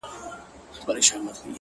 پرمختګ د ثابتو اصولو ملګری دی